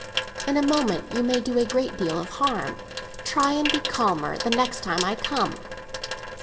"In a moment you may do a great deal of harm. Try and be calmer the next time I come."